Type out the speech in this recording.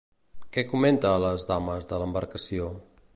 Què comenta a les dames de l'embarcació?